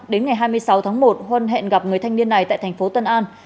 đến ngày hai mươi sáu tháng một huân hẹn gặp người thanh niên này tại thành phố tân an